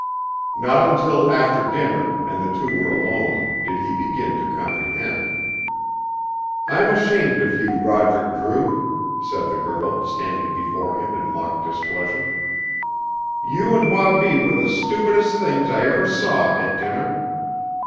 Not until after dinner, and the two were alone, did he begin to comprehend. "I'm ashamed of you, Roderick Drew!" said the girl, standing before him in mock displeasure. "You and Wabi were the stupidest things I ever saw at dinner!